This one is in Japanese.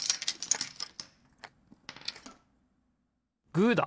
グーだ！